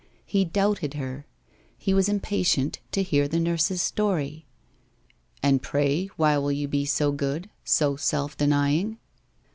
He doubted her. He was impatient to hear the nurse's story. ' And pray why will you be so good, so self denying